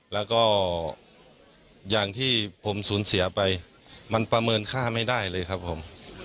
แล้วก็อย่างที่ผมสูญเสียไปมันประเมินค่าไม่ได้เลยครับผม